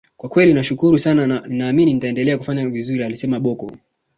kwa kweli nashukuru sana na ninaamini nitaendelea kufanya vizuri alisema Bocco